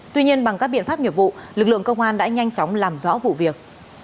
tuy nhiên bằng các biện pháp nghiệp vụ lực lượng công an đã nhanh chóng làm rõ vụ việc